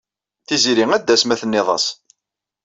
Tiziri ad d-tas ma tenniḍ-as.